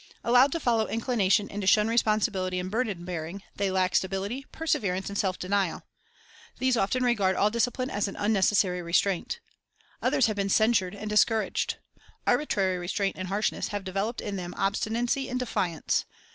Allowed to follow inclination and to shun responsibility and burden bearing, they lack sta bility, perseverance, and self denial. These often regard all discipline as an unnecessary restraint. Others have been censured and discouraged. Arbitrary restraint and harshness have developed in them obstinacy and defiance.